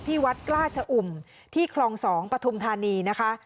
วัดกล้าชะอุ่มที่คลอง๒ปฐุมธานีนะคะ